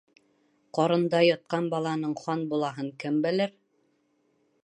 Ҡарында ятҡан баланың хан булаһын кем белер?